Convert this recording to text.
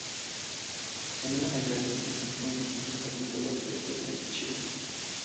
Camila Gallardo se presentó en el quinto capítulo de The Voice Chile.